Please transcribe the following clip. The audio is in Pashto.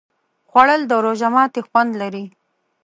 خوړل د روژه ماتي خوند لري